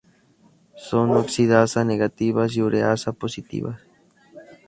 Son oxidasa-negativas y ureasa-positivas.